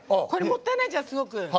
もったいないじゃん、すごく。